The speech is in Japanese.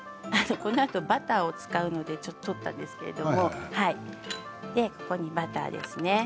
粉とバターを使うのでちょっと取ったんですけれどここにバターですね。